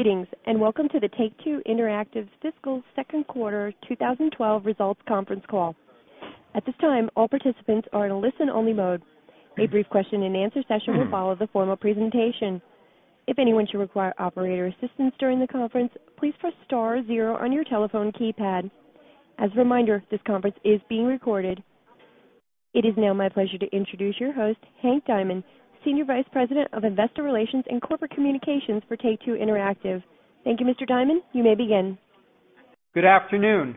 Greetings, and welcome to the Take-Two Interactive's fiscal second quarter 2012 results conference call. At this time, all participants are in a listen-only mode. A brief question-and-answer session will follow the formal presentation. If anyone should require operator assistance during the conference, please press star zero on your telephone keypad. As a reminder, this conference is being recorded. It is now my pleasure to introduce your host, Henk Diamond, Senior Vice President of Investor Relations and Corporate Communications for Take-Two Interactive. Thank you, Mr. Diamond. You may begin. Good afternoon.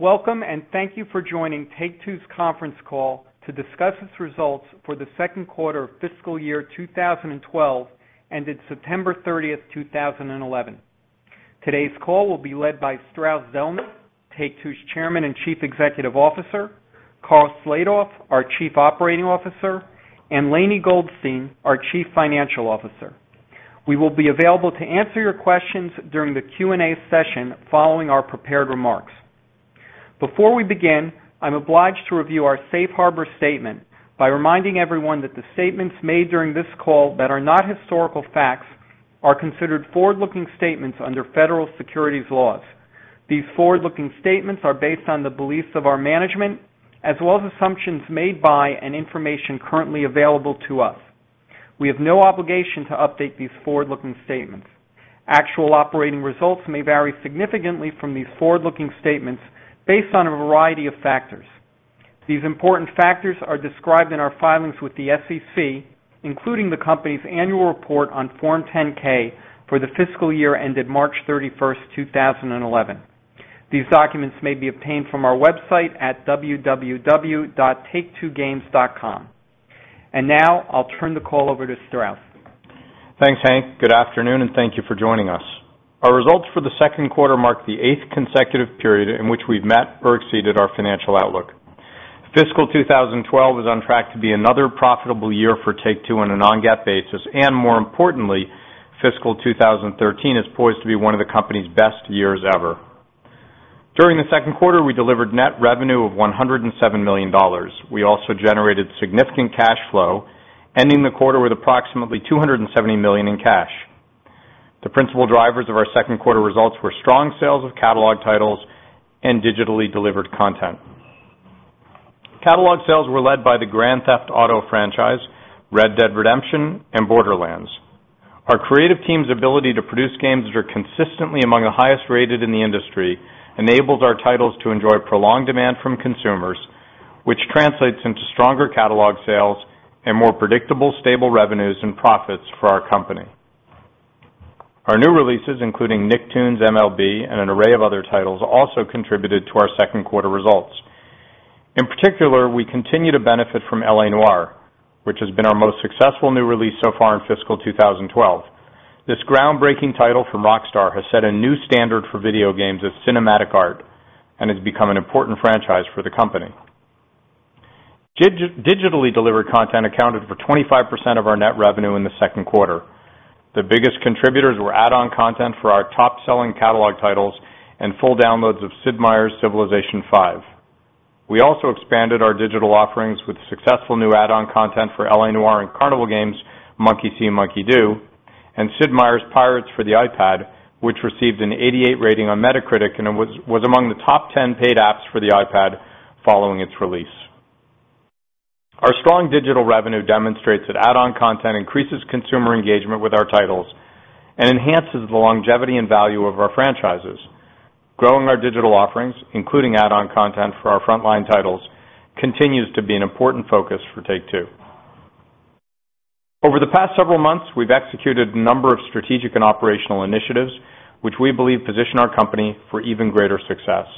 Welcome, and thank you for joining Take-Two Interactive's conference call to discuss its results for the second quarter of fiscal year 2012 ended September 30th, 2011. Today's call will be led by Strauss Zelnick, Take-Two's Chairman and Chief Executive Officer, Karl Slatoff, our Chief Operating Officer, and Lainie Goldstein, our Chief Financial Officer. We will be available to answer your questions during the Q&A session following our prepared remarks. Before we begin, I'm obliged to review our Safe Harbor statement by reminding everyone that the statements made during this call that are not historical facts are considered forward-looking statements under Federal Securities laws. These forward-looking statements are based on the beliefs of our management, as well as assumptions made by and information currently available to us. We have no obligation to update these forward-looking statements. Actual operating results may vary significantly from these forward-looking statements based on a variety of factors. These important factors are described in our filings with the SEC, including the company's annual report on Form 10-K for the fiscal year ended March 31st, 2011. These documents may be obtained from our website at www.taketwogames.com. Now, I'll turn the call over to Strauss. Thanks, Henk. Good afternoon, and thank you for joining us. Our results for the second quarter mark the eighth consecutive period in which we have met or exceeded our financial outlook. Fiscal 2012 is on track to be another profitable year for Take-Two on a non-GAAP basis, and more importantly, fiscal 2013 is poised to be one of the company's best years ever. During the second quarter, we delivered net revenue of $107 million. We also generated significant cash flow, ending the quarter with approximately $270 million in cash. The principal drivers of our second quarter results were strong sales of catalog titles and digitally delivered content. Catalog sales were led by the Grand Theft Auto franchise, Red Dead Redemption, and Borderlands. Our creative team's ability to produce games that are consistently among the highest rated in the industry enables our titles to enjoy prolonged demand from consumers, which translates into stronger catalog sales and more predictable, stable revenues and profits for our company. Our new releases, including Nicktoons MLB and an array of other titles, also contributed to our second quarter results. In particular, we continue to benefit from L.A. Noire, which has been our most successful new release so far in fiscal 2012. This groundbreaking title from Rockstar has set a new standard for video games as cinematic art and has become an important franchise for the company. Digitally delivered content accounted for 25% of our net revenue in the second quarter. The biggest contributors were add-on content for our top-selling catalog titles and full downloads of Sid Meier’s Civilization V. We also expanded our digital offerings with successful new add-on content for L.A. Noire and Carnival Games: Monkey See Monkey Do, and Sid Meier’s Pirates! for the iPad, which received an 88% rating on Metacritic and was among the top 10 paid apps for the iPad following its release. Our strong digital revenue demonstrates that add-on content increases consumer engagement with our titles and enhances the longevity and value of our franchises. Growing our digital offerings, including add-on content for our frontline titles, continues to be an important focus for Take-Two. Over the past several months, we've executed a number of strategic and operational initiatives, which we believe position our company for even greater success.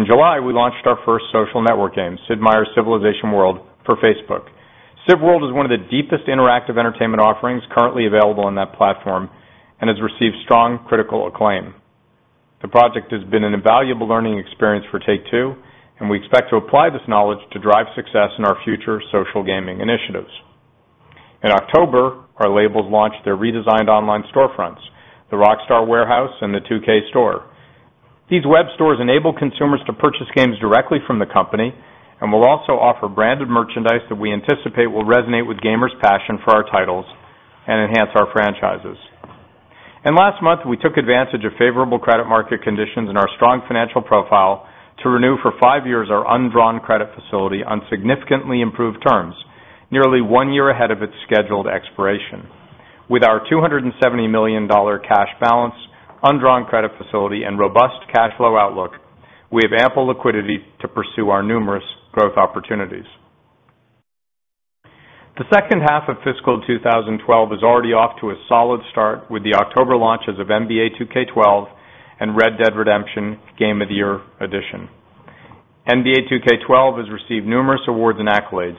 In July, we launched our first social network game, Sid Meier’s Civilization World, for Facebook. Civ World is one of the deepest interactive entertainment offerings currently available on that platform and has received strong critical acclaim. The project has been an invaluable learning experience for Take-Two, and we expect to apply this knowledge to drive success in our future social gaming initiatives. In October, our labels launched their redesigned online storefronts, the Rockstar Warehouse and the 2K Store. These web stores enable consumers to purchase games directly from the company and will also offer branded merchandise that we anticipate will resonate with gamers' passion for our titles and enhance our franchises. Last month, we took advantage of favorable credit market conditions and our strong financial profile to renew for five years our undrawn credit facility on significantly improved terms, nearly one year ahead of its scheduled expiration. With our $270 million cash balance, undrawn credit facility, and robust cash flow outlook, we have ample liquidity to pursue our numerous growth opportunities. The second half of fiscal 2012 is already off to a solid start with the October launches of NBA 2K12 and Red Dead Redemption: Game of the Year edition. NBA 2K12 has received numerous awards and accolades,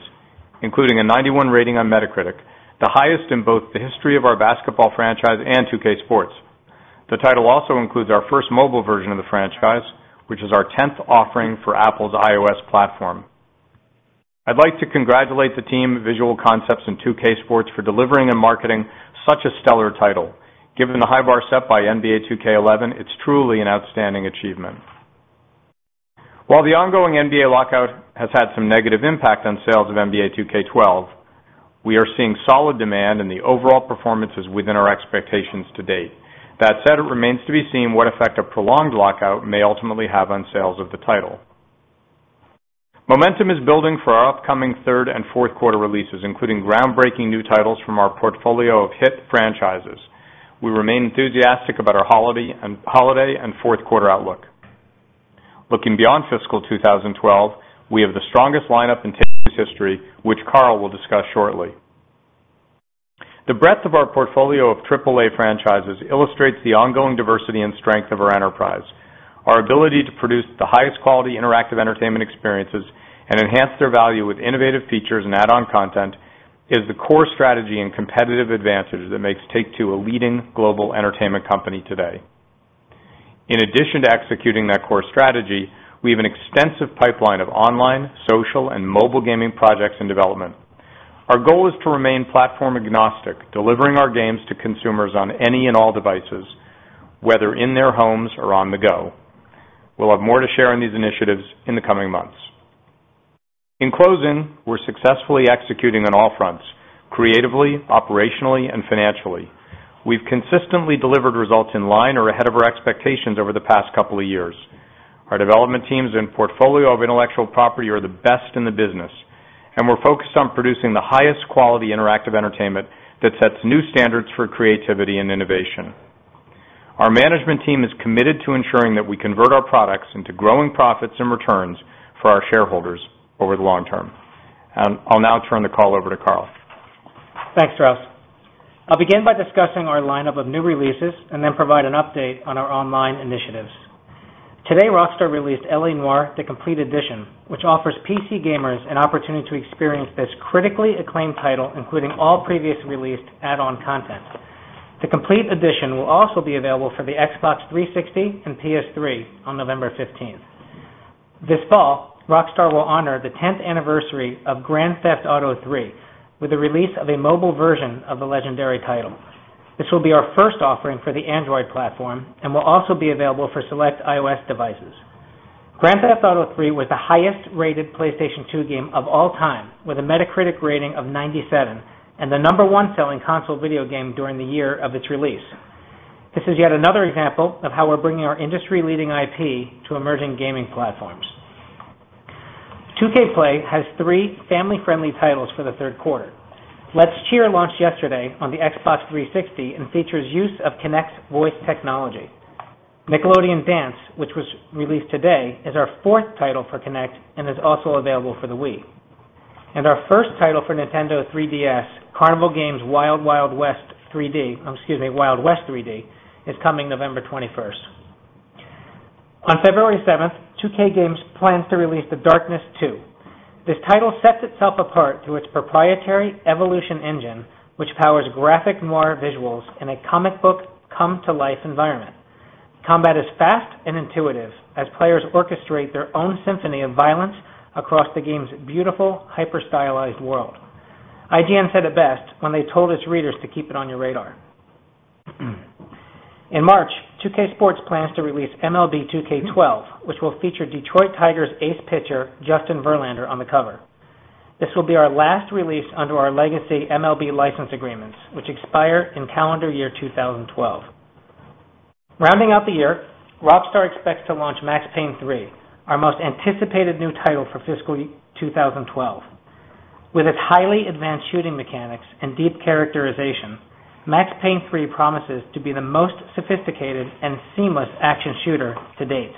including a 91% rating on Metacritic, the highest in both the history of our basketball franchise and 2K Sports. The title also includes our first mobile version of the franchise, which is our 10th offering for Apple's iOS platform. I'd like to congratulate the team at Visual Concepts and 2K Sports for delivering and marketing such a Stellar title. Given the high bar set by NBA 2K11, it's truly an outstanding achievement. While the ongoing NBA lockout has had some negative impact on sales of NBA 2K12, we are seeing solid demand and the overall performance is within our expectations to date. That said, it remains to be seen what effect a prolonged lockout may ultimately have on sales of the title. Momentum is building for our upcoming third and fourth quarter releases, including groundbreaking new titles from our portfolio of hit franchises. We remain enthusiastic about our holiday and fourth quarter outlook. Looking beyond fiscal 2012, we have the strongest lineup in Take-Two's history, which Karl will discuss shortly. The breadth of our portfolio of AAA franchises illustrates the ongoing diversity and strength of our enterprise. Our ability to produce the highest quality interactive entertainment experiences and enhance their value with innovative features and add-on content is the core strategy and competitive advantage that makes Take-Two a leading global entertainment company today. In addition to executing that core strategy, we have an extensive pipeline of online, social, and mobile gaming projects in development. Our goal is to remain platform agnostic, delivering our games to consumers on any and all devices, whether in their homes or on the go. We will have more to share on these initiatives in the coming months. In closing, we're successfully executing on all fronts: creatively, operationally, and financially. We've consistently delivered results in line or ahead of our expectations over the past couple of years. Our development teams and portfolio of intellectual property are the best in the business, and we're focused on producing the highest quality interactive entertainment that sets new standards for creativity and innovation. Our management team is committed to ensuring that we convert our products into growing profits and returns for our shareholders over the long-term. I'll now turn the call over to Karl. Thanks, Strauss. I'll begin by discussing our lineup of new releases and then provide an update on our online initiatives. Today, Rockstar released L.A. Noire: The Complete edition, which offers PC gamers an opportunity to experience this critically acclaimed title, including all previously released add-on content. The Complete edition will also be available for the Xbox 360 and PS3 on November 15. This fall, Rockstar will honor the 10th anniversary of Grand Theft Auto III with the release of a mobile version of the legendary title. This will be our first offering for the Android platform and will also be available for select iOS devices. Grand Theft Auto III was the highest rated PlayStation 2 game of all time, with a Metacritic rating of 97% and the number one selling console video game during the year of its release. This is yet another example of how we're bringing our industry-leading IP to emerging gaming platforms. 2K Play has three family-friendly titles for the third quarter. Let's Cheer launched yesterday on the Xbox 360 and features use of Kinect's voice technology. Nickelodeon Dance, which was released today, is our fourth title for Kinect and is also available for the Wii. Our first title for Nintendo 3DS, Carnival Games Wild West 3D, is coming November 21st. On February 7, 2K Games plans to release The Darkness II. This title sets itself apart through its proprietary Evolution Engine, which powers graphic noir visuals in a comic book come-to-life environment. Combat is fast and intuitive, as players orchestrate their own symphony of violence across the game's beautiful, hyper-stylized world. IGN said it best when they told its readers to keep it on your radar. In March, 2K Sports plans to release MLB 2K12, which will feature Detroit Tigers ace pitcher Justin Verlander on the cover. This will be our last release under our legacy MLB license agreements, which expire in calendar year 2012. Rounding out the year, Rockstar expects to launch Max Payne 3, our most anticipated new title for fiscal 2012. With its highly advanced shooting mechanics and deep characterization, Max Payne 3 promises to be the most sophisticated and seamless action shooter to date.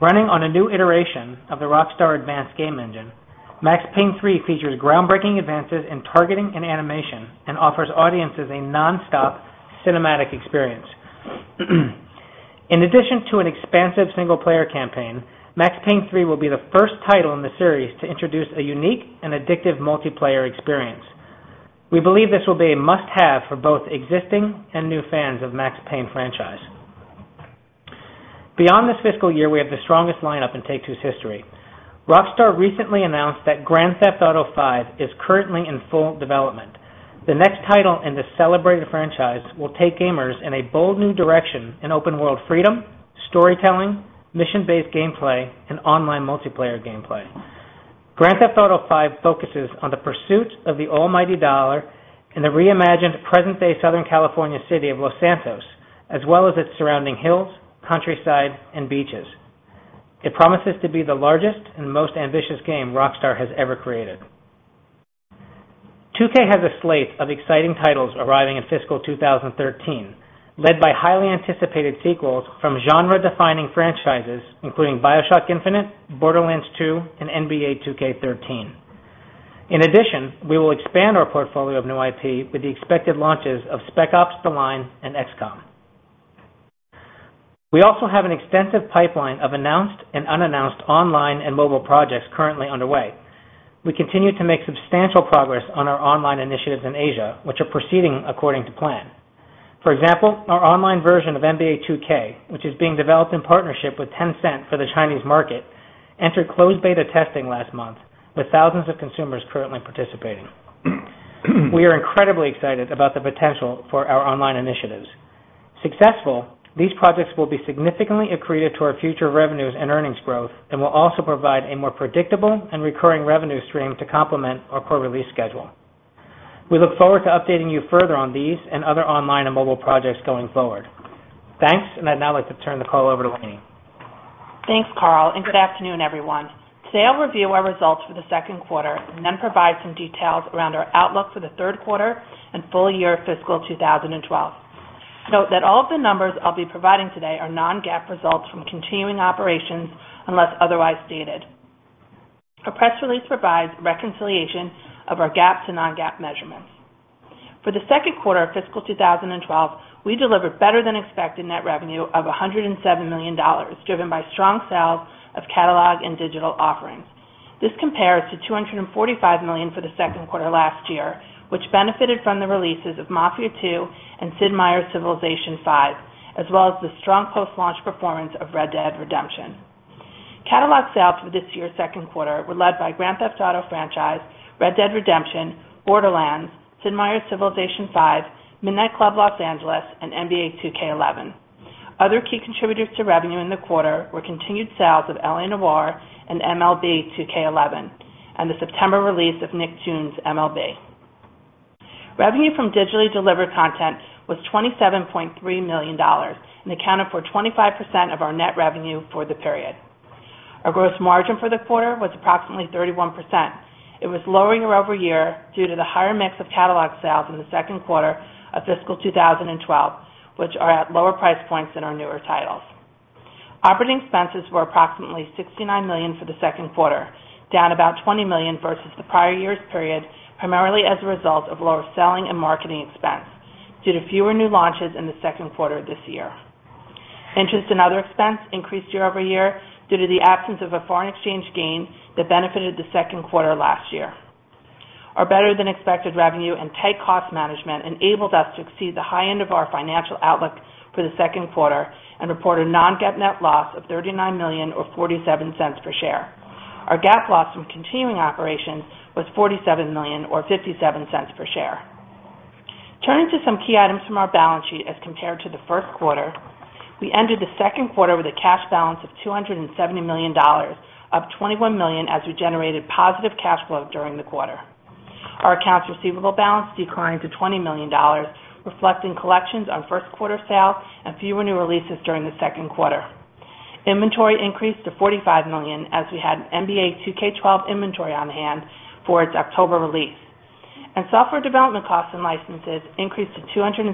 Running on a new iteration of the Rockstar Advanced Game Engine, Max Payne 3 features groundbreaking advances in targeting and animation and offers audiences a non-stop cinematic experience. In addition to an expansive single-player campaign, Max Payne 3 will be the first title in the series to introduce a unique and addictive multiplayer experience. We believe this will be a must-have for both existing and new fans of the Max Payne franchise. Beyond this fiscal year, we have the strongest lineup in Take-Two's history. Rockstar recently announced that Grand Theft Auto V is currently in full development. The next title in this celebrated franchise will take gamers in a bold new direction in open-world freedom, storytelling, mission-based gameplay, and online multiplayer gameplay. Grand Theft Auto V focuses on the pursuit of the Almighty Dollar in the reimagined present-day Southern California city of Los Santos, as well as its surrounding hills, countryside, and beaches. It promises to be the largest and most ambitious game Rockstar has ever created. 2K has a slate of exciting titles arriving in fiscal 2013, led by highly anticipated sequels from genre-defining franchises, including BioShock Infinite, Borderlands 2, and NBA 2K13. In addition, we will expand our portfolio of new IP with the expected launches of Spec Ops: The Line and XCOM. We also have an extensive pipeline of announced and unannounced online and mobile projects currently underway. We continue to make substantial progress on our online initiatives in Asia, which are proceeding according to plan. For example, our online version of NBA 2K, which is being developed in partnership with Tencent for the Chinese market, entered closed beta testing last month, with thousands of consumers currently participating. We are incredibly excited about the potential for our online initiatives. If successful, these projects will be significantly accretive to our future revenues and earnings growth and will also provide a more predictable and recurring revenue stream to complement our core release schedule. We look forward to updating you further on these and other online and mobile projects going forward. Thanks, and I'd now like to turn the call over to Lainie. Thanks, Karl, and good afternoon, everyone. Today, I'll review our results for the second quarter and then provide some details around our outlook for the third quarter and full year of fiscal 2012. Note that all of the numbers I'll be providing today are non-GAAP results from continuing operations unless otherwise stated. Our press release provides reconciliation of our GAAP to non-GAAP measurements. For the second quarter of fiscal 2012, we delivered better than expected net revenue of $107 million, driven by strong sales of catalog and digital offerings. This compares to $245 million for the second quarter last year, which benefited from the releases of Mafia II and Sid Meier’s Civilization V, as well as the strong post-launch performance of Red Dead Redemption. Catalog sales for this year's second quarter were led by Grand Theft Auto franchise, Red Dead Redemption, Borderlands, Sid Meier’s Civilization V, Midnight Club Los Angeles, and NBA 2K11. Other key contributors to revenue in the quarter were continued sales of L.A. Noire and MLB 2K11, and the September release of Nicktoon's MLB. Revenue from digitally delivered content was $27.3 million, and accounted for 25% of our net revenue for the period. Our gross margin for the quarter was approximately 31%. It was lower year-over-year due to the higher mix of catalog sales in the second quarter of fiscal 2012, which are at lower price points than our newer titles. Operating expenses were approximately $69 million for the second quarter, down about $20 million versus the prior year's period, primarily as a result of lower selling and marketing expense due to fewer new launches in the second quarter this year. Interest and other expense increased year-over-year due to the absence of a foreign exchange gain that benefited the second quarter last year. Our better than expected revenue and tight cost management enabled us to exceed the high end of our financial outlook for the second quarter and report a non-GAAP net loss of $39 million or $0.47 per share. Our GAAP loss from continuing operations was $47 million or $0.57 per share. Turning to some key items from our balance sheet as compared to the first quarter, we ended the second quarter with a cash balance of $270 million, up $21 million as we generated positive cash flow during the quarter. Our accounts receivable balance declined to $20 million, reflecting collections on first quarter sales and fewer new releases during the second quarter. Inventory increased to $45 million as we had NBA 2K12 inventory on hand for its October release. Software development costs and licenses increased to $273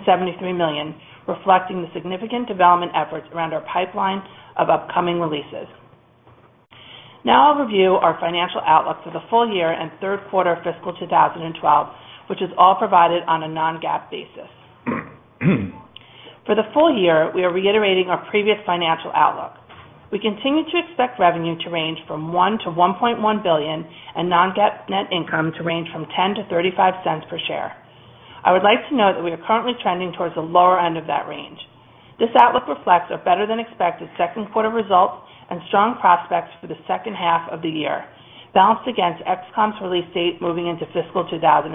million, reflecting the significant development efforts around our pipeline of upcoming releases. Now, I'll review our financial outlook for the full year and third quarter of fiscal 2012, which is all provided on a non-GAAP basis. For the full year, we are reiterating our previous financial outlook. We continue to expect revenue to range from $1 billion-$1.1 billion and non-GAAP net income to range from $0.10-$0.35 per share. I would like to note that we are currently trending towards the lower end of that range. This outlook reflects our better than expected second quarter results and strong prospects for the second half of the year, balanced against XCOM's release date moving into fiscal 2013.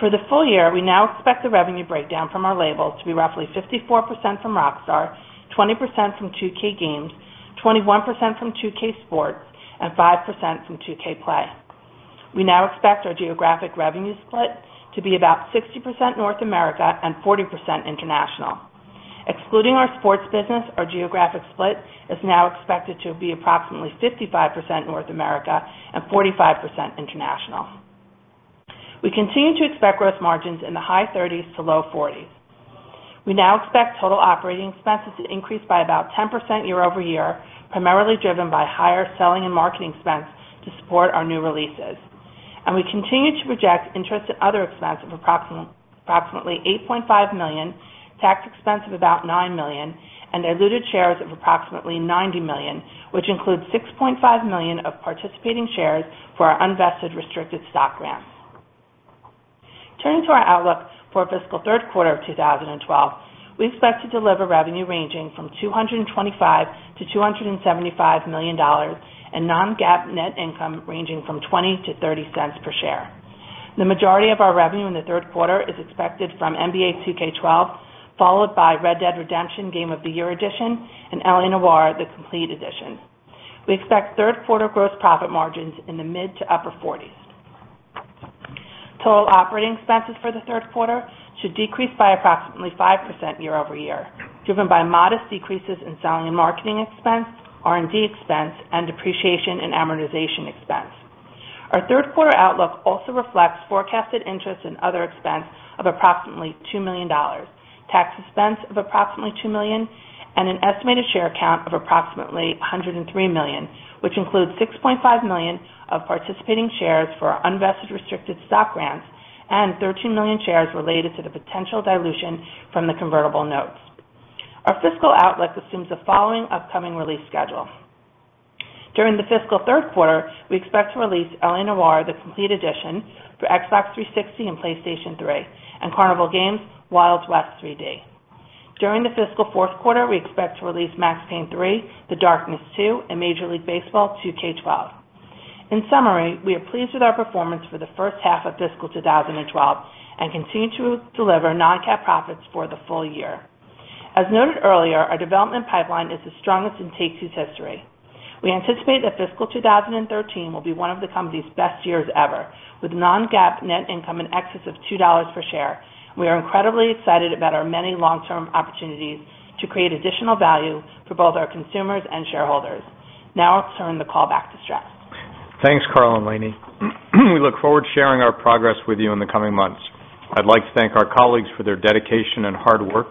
For the full year, we now expect the revenue breakdown from our labels to be roughly 54% from Rockstar, 20% from 2K Games, 21% from 2K Sports, and 5% from 2K Play. We now expect our geographic revenue split to be about 60% North America and 40% International. Excluding our sports business, our geographic split is now expected to be approximately 55% North America and 45% International. We continue to expect gross margins in the high 30% to low 40% range. We now expect total operating expenses to increase by about 10% year-over-year, primarily driven by higher selling and marketing expense to support our new releases. We continue to project interest and other expense of approximately $8.5 million, tax expense of about $9 million, and diluted shares of approximately $90 million, which includes $6.5 million of participating shares for our unvested restricted stock grants. Turning to our outlook for fiscal third quarter of 2012, we expect to deliver revenue ranging from $225 million-$275 million and non-GAAP net income ranging from $0.20-$0.30 per share. The majority of our revenue in the third quarter is expected from NBA 2K12, followed by Red Dead Redemption: Game of the Year edition and L.A. Noire: The Complete edition. We expect third quarter gross profit margins in the mid to upper 40%. Total operating expenses for the third quarter should decrease by approximately 5% year-over-year, driven by modest decreases in selling and marketing expense, R&D expense, and depreciation and amortization expense. Our third quarter outlook also reflects forecasted interest in other expense of approximately $2 million, tax expense of approximately $2 million, and an estimated share count of approximately $103 million, which includes $6.5 million of participating shares for unvested restricted stock grants and 13 million shares related to the potential dilution from the convertible notes. Our fiscal outlook assumes the following upcoming release schedule. During the fiscal third quarter, we expect to release L.A. Noire: The Complete edition for Xbox 360 and PlayStation 3 and Carnival Games Wild West 3D. During the fiscal fourth quarter, we expect to release Max Payne 3, The Darkness II, and MLB 2K12. In summary, we are pleased with our performance for the first half of fiscal 2012 and continue to deliver non-GAAP profits for the full year. As noted earlier, our development pipeline is the strongest in Take-Two's history. We anticipate that fiscal 2013 will be one of the company's best years ever, with non-GAAP net income in excess of $2 per share. We are incredibly excited about our many long-term opportunities to create additional value for both our consumers and shareholders. Now, I'll turn the call back to Strauss. Thanks, Karl and Lainie. We look forward to sharing our progress with you in the coming months. I'd like to thank our colleagues for their dedication and hard work,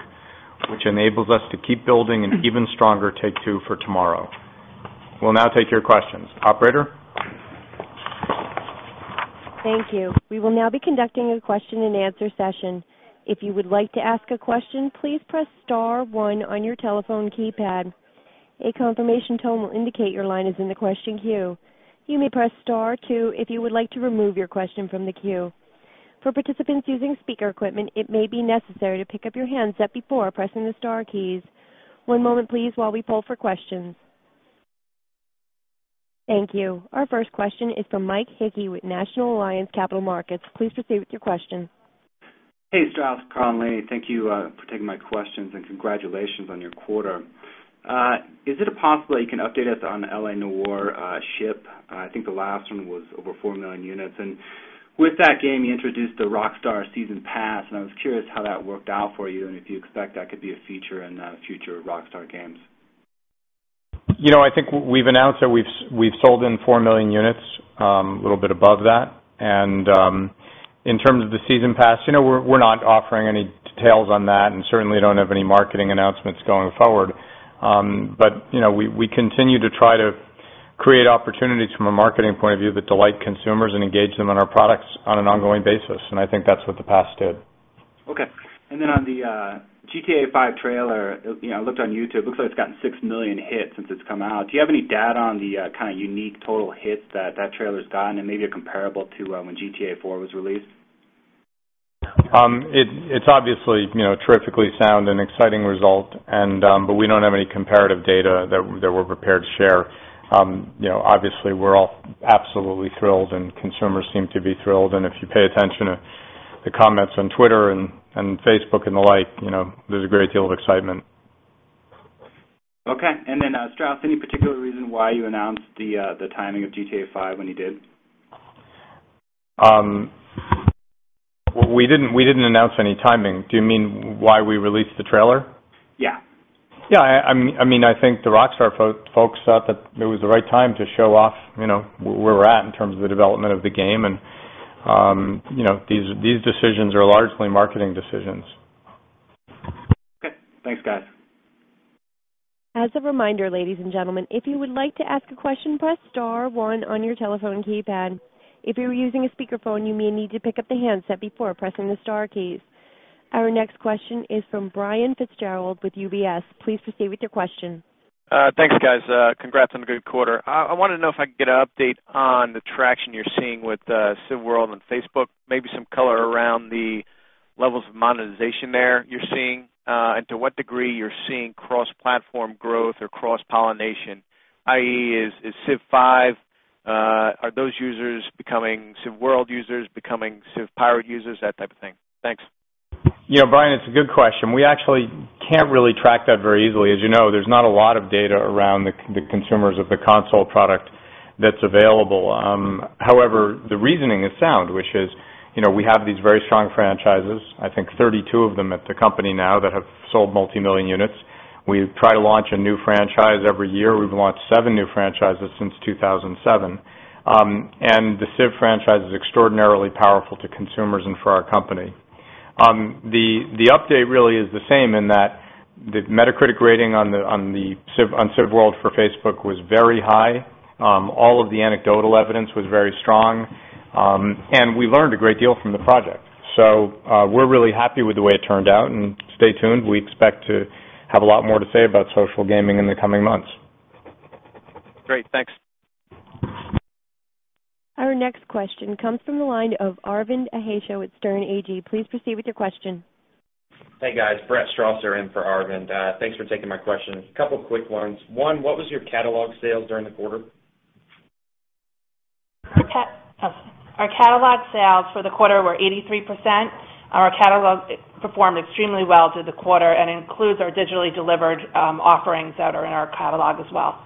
which enables us to keep building an even stronger Take-Two for tomorrow. We'll now take your questions. Operator? Thank you. We will now be conducting a question-and-answer session. If you would like to ask a question, please press star one on your telephone keypad. A confirmation tone will indicate your line is in the question queue. You may press star two if you would like to remove your question from the queue. For participants using speaker equipment, it may be necessary to pick up your handset before pressing the star keys. One moment, please, while we pull for questions. Thank you. Our first question is from Mike Hickey with National Alliance Capital Markets. Please proceed with your question. Hey, Strauss, Karl and Lainie. Thank you for taking my questions and congratulations on your quarter. Is it possible that you can update us on L.A. Noire ship? I think the last one was over 4 million units. With that game, you introduced the Rockstar Season Pass, and I was curious how that worked out for you and if you expect that could be a feature in future Rockstar games. I think we've announced that we've sold in 4 million units, a little bit above that. In terms of the Season Pass, we're not offering any details on that and certainly don't have any marketing announcements going forward. We continue to try to create opportunities from a marketing point of view that delight consumers and engage them in our products on an ongoing basis. I think that's what the Pass did. OK. On the GTA V trailer, I looked on YouTube, it looks like it's gotten 6 million hits since it's come out. Do you have any data on the kind of unique total hits that that trailer's gotten and maybe a comparable to when GTA IV was released? It's obviously, you know, a terrifically sound and exciting result, but we don't have any comparative data that we're prepared to share. We're all absolutely thrilled, and consumers seem to be thrilled. If you pay attention to the comments on Twitter and Facebook and the like, there's a great deal of excitement. Ok. Strauss, any particular reason why you announced the timing of GTA V when you did? We didn't announce any timing. Do you mean why we released the trailer? Yeah. Yeah, I think the Rockstar folks thought that it was the right time to show off where we're at in terms of the development of the game. These decisions are largely marketing decisions. Ok. Thanks, guys. As a reminder, ladies and gentlemen, if you would like to ask a question, press star one on your telephone keypad. If you're using a speaker phone, you may need to pick up the handset before pressing the star keys. Our next question is from Brian Fitzgerald with UBS. Please proceed with your question. Thanks, guys. Congrats on the good quarter. I wanted to know if I could get an update on the traction you're seeing with Civ’s World on Facebook, maybe some color around the levels of monetization there you're seeing, and to what degree you're seeing cross-platform growth or cross-pollination, i.e., is Civ V, are those users becoming Civ World users, becoming Civ-powered users, that type of thing. Thanks. You know, Brian, it's a good question. We actually can't really track that very easily. As you know, there's not a lot of data around the consumers of the console product that's available. However, the reasoning is sound, which is, you know, we have these very strong franchises, I think 32 of them at the company now that have sold multi-million units. We try to launch a new franchise every year. We've launched seven new franchises since 2007. The Civ franchise is extraordinarily powerful to consumers and for our company. The update really is the same in that the Metacritic rating on Civ World for Facebook was very high. All of the anecdotal evidence was very strong. We learned a great deal from the project. We're really happy with the way it turned out. Stay tuned. We expect to have a lot more to say about social gaming in the coming months. Great, thanks. Our next question comes from the line of Arvind Bhatia at Sterne Agee. Please proceed with your question. Hey, guys. Brett Strausser in for Arvind. Thanks for taking my questions. A couple of quick ones. One, what was your catalog sales during the quarter? Our catalog sales for the quarter were 83%. Our catalog performed extremely well through the quarter and includes our digitally delivered offerings that are in our catalog as well.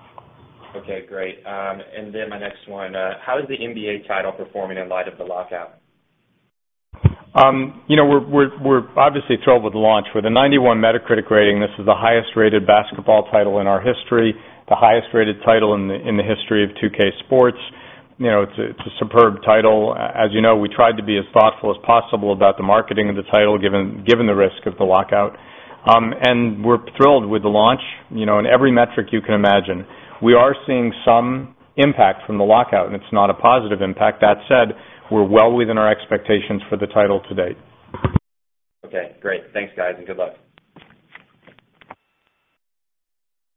Ok, great. My next one, how is the NBA title performing in light of the lockout? You know, we're obviously thrilled with the launch. With a 91 Metacritic rating, this is the highest rated basketball title in our history, the highest rated title in the history of 2K Sports. It's a superb title. As you know, we tried to be as thoughtful as possible about the marketing of the title, given the risk of the lockout. We're thrilled with the launch in every metric you can imagine. We are seeing some impact from the lockout, and it's not a positive impact. That said, we're well within our expectations for the title to date. Ok, great. Thanks, guys, and good luck.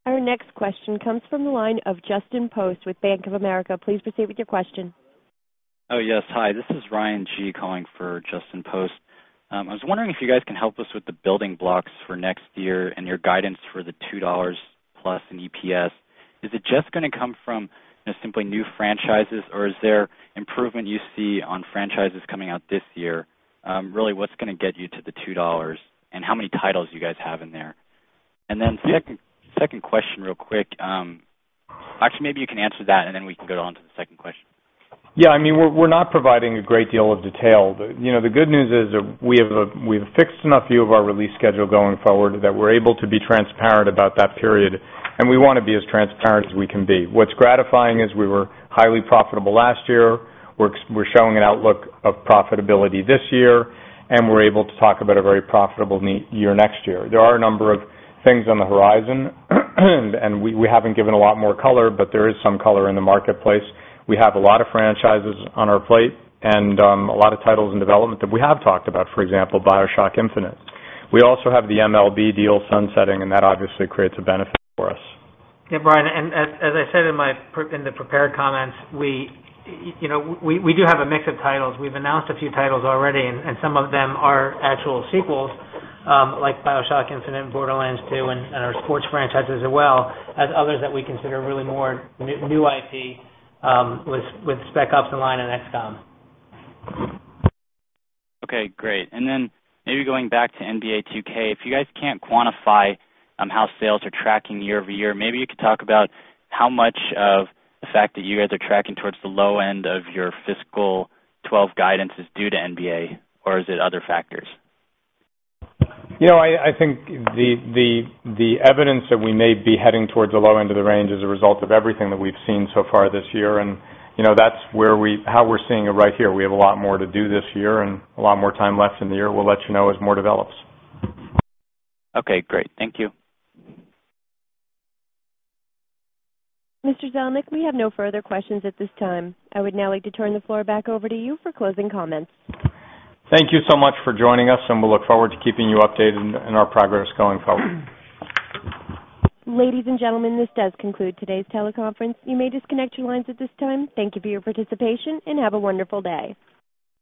Our next question comes from the line of Justin Post with Bank of America. Please proceed with your question. Oh, yes. Hi, this is Ryan Gee calling for Justin Post. I was wondering if you guys can help us with the building blocks for next year and your guidance for the $2+ in EPS. Is it just going to come from simply new franchises, or is there improvement you see on franchises coming out this year? Really, what's going to get you to the $2 and how many titles you guys have in there? The second question real quick. Actually, maybe you can answer that, and then we can go on to the second question. Yeah, I mean, we're not providing a great deal of detail. The good news is we have a fixed enough view of our release schedule going forward that we're able to be transparent about that period. We want to be as transparent as we can be. What's gratifying is we were highly profitable last year. We're showing an outlook of profitability this year, and we're able to talk about a very profitable year next year. There are a number of things on the horizon, and we haven't given a lot more color, but there is some color in the marketplace. We have a lot of franchises on our plate and a lot of titles in development that we have talked about, for example, BioShock Infinite. We also have the MLB deal sunsetting, and that obviously creates a benefit for us. Yeah, Brian, as I said in the prepared comments, you know, we do have a mix of titles. We've announced a few titles already, and some of them are actual sequels, like BioShock Infinite, Borderlands 2, and our sports franchises as well, as others that we consider really more new IP, with Spec Ops: The Line and XCOM. OK, great. Maybe going back to NBA 2K, if you guys can't quantify how sales are tracking year-over-year, maybe you could talk about how much of the fact that you guys are tracking towards the low end of your fiscal 2012 guidance is due to NBA, or is it other factors? I think the evidence that we may be heading towards the low end of the range is a result of everything that we've seen so far this year. That's how we're seeing it right here. We have a lot more to do this year and a lot more time left in the year. We'll let you know as more develops. OK, great. Thank you. Mr. Zelnick, we have no further questions at this time. I would now like to turn the floor back over to you for closing comments. Thank you so much for joining us, and we'll look forward to keeping you updated in our progress going forward. Ladies and gentlemen, this does conclude today's teleconference. You may disconnect your lines at this time. Thank you for your participation and have a wonderful day.